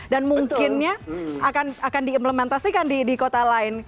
dan mungkinnya akan diimplementasikan di kota lain